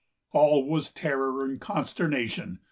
All was terror and consternation.